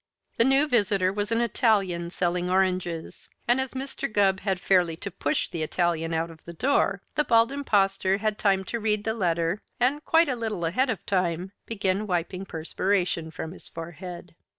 The new visitor was an Italian selling oranges, and as Mr. Gubb had fairly to push the Italian out of the door, the Bald Impostor had time to read the letter and, quite a little ahead of time, began wiping perspiration from his forehead.